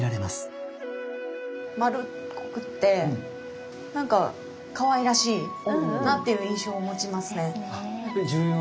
丸っこくてなんかかわいらしいなって印象を持ちますね。ですね。